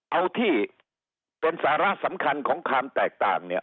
เอาที่เป็นสาระสำคัญของความแตกต่างเนี่ย